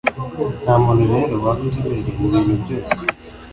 Ntamuntu rero waba inzobere mu bintu byose